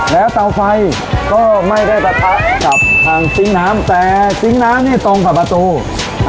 แล้วเตาไฟก็ไม่ได้ปะทะกับทางซิงค์น้ำแต่ซิงค์น้ำนี่ตรงกับประตู